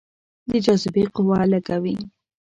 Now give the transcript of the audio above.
د جاذبې قوه لږه وي.